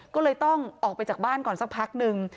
ก็เลยต้องออกไปจากบ้านก่อนสักพักนึง